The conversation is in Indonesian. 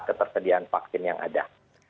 ketersediaan vaksin yang ada